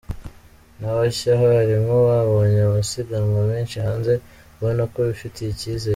N’abashya barimo babonye amasiganwa menshi hanze, ubona ko bifitiye icyizere.